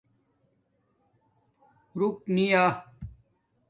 روک نے یا